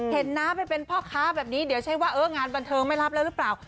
น้าไปเป็นพ่อค้าแบบนี้เดี๋ยวใช่ว่าเอองานบันเทิงไม่รับแล้วหรือเปล่า